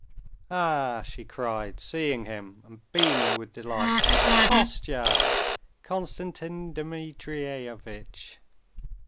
"Ah!" she cried, seeing him, and beaming with delight. "Kostya! Konstantin Dmitrievitch!"